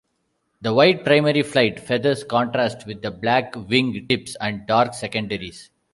The white primary flight feathers contrast with the black wing tips and dark secondaries.